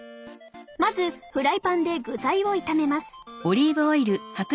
まずフライパンで具材を炒めます。